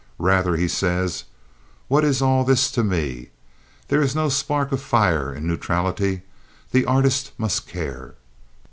Rather, he says: "What is all this to me?" There is no spark of fire in neutrality. The artist must care.